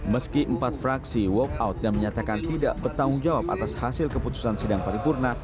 meski empat fraksi walk out dan menyatakan tidak bertanggung jawab atas hasil keputusan sidang paripurna